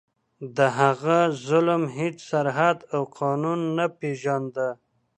د هغه ظلم هیڅ سرحد او قانون نه پېژانده.